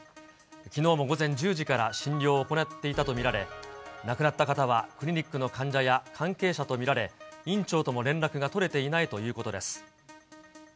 きのうも午前１０時から診療を行っていたと見られ、亡くなった方はクリニックの患者や関係者と見られ、院長とも連絡が取れていないということです。